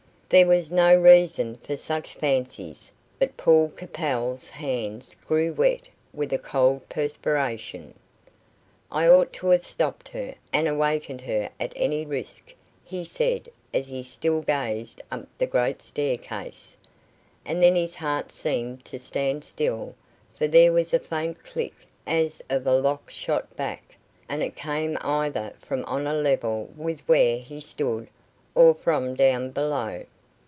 There was no reason for such fancies, but Paul Capel's hands grew wet with a cold perspiration. "I ought to have stopped her, and awakened her at any risk," he said, as he still gazed up the great staircase; and then his heart seemed to stand still, for there was a faint click, as of a lock shot back, and it came either from on a level with where he stood, or from down below.